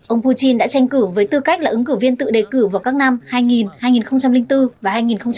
ông putin đã tranh cử với tư cách là ứng cử viên tự đề cử vào các năm hai nghìn hai nghìn bốn và hai nghìn năm